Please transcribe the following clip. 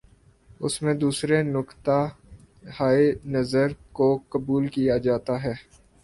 اس میں دوسرے نقطہ ہائے نظر کو قبول کیا جاتا ہے۔